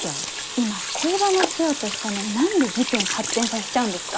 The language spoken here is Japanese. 今恋バナしようとしたのに何で事件発展させちゃうんですか？